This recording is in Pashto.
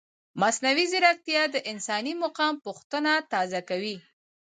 مصنوعي ځیرکتیا د انساني مقام پوښتنه تازه کوي.